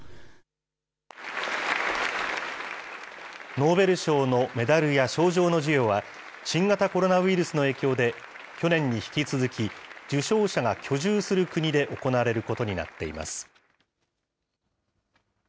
ノーベル賞のメダルや賞状の授与は、新型コロナウイルスの影響で、去年に引き続き、受賞者が居住する国で行われることになっています。